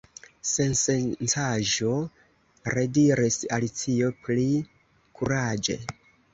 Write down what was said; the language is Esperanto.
"Sensencaĵo," rediris Alicio pli kuraĝe.